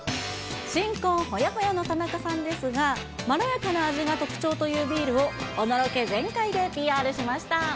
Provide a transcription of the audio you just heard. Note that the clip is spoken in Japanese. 新婚ほやほやの田中さんですが、まろやかな味が特徴というビールを、おのろけ全開でＰＲしました。